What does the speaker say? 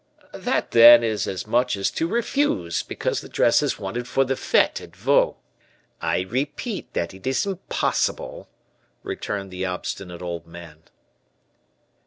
"That, then, is as much as to refuse, because the dress is wanted for the fete at Vaux." "I repeat that it is impossible," returned the obstinate old man.